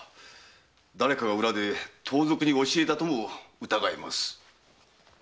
誰かが裏で盗賊に教えたとも疑えます。